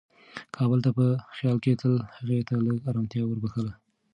کابل ته په خیال کې تلل هغې ته لږ ارامتیا وربښله.